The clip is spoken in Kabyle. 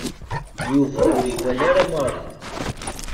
Yuba ur iwala ara Mary.